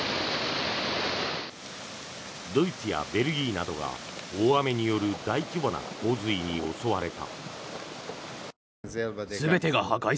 ドイツやベルギーなどが大雨による大規模な洪水に襲われた。